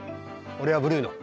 俺はブルーノ。